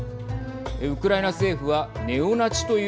ウクライナ政府はネオナチという